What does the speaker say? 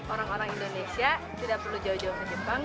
orang orang indonesia tidak perlu jauh jauh ke jepang